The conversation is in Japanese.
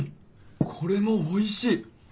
これもおいしい！